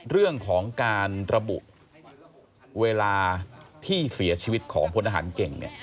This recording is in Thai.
เรื่องของการระบุเวลาที่เสียชีวิตของพลทหารเก่ง